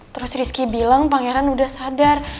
terus rizky bilang pangeran udah sadar